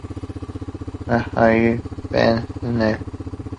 La Haye-Pesnel